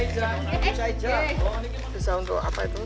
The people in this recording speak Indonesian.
bisa untuk apa itu